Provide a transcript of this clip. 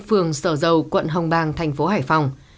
phường sở dầu quận hồng bàng thành phố hải phòng